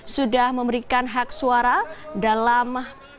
sudah memberikan hak suara dalam